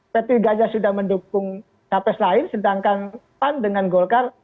p tiga nya sudah mendukung capres lain sedangkan pan dengan golkar